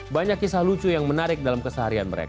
banyak kisah lucu yang menarik dalam keseharian mereka